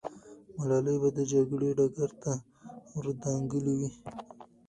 ملالۍ به د جګړې ډګر ته ور دانګلې وي.